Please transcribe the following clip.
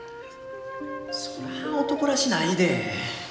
そら男らしないで。